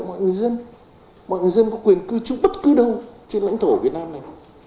mọi người dân mọi người dân có quyền cư chung bất cứ đâu trên lãnh thổ việt nam này